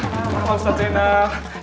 waalaikumsalam ustadz inang